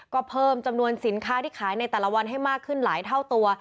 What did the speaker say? ก็เพิ่มจำนวนสินค้าที่ขายในแต่ละวันให้มากขึ้นหลายเท่าตัว